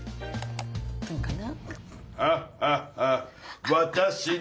どうかな？